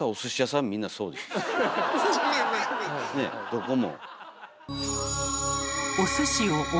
どこも。